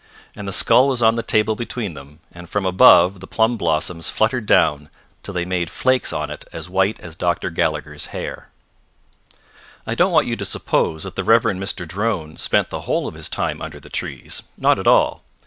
And the skull was on the table between them, and from above the plum blossoms fluttered down, till they made flakes on it as white as Dr. Gallagher's hair. I don't want you to suppose that the Rev. Mr. Drone spent the whole of his time under the trees. Not at all.